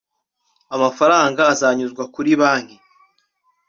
amafaranga azanyuzwa kuri banke